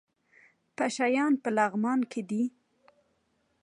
پشه یان په لغمان کې دي؟